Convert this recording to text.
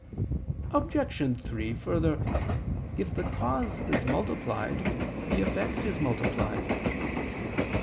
Obj. 3: Further, if the cause is multiplied, the effect is multiplied.